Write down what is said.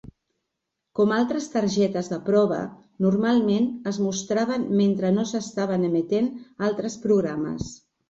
Com altres targetes de prova, normalment es mostraven mentre no s"estaven emetent altres programes.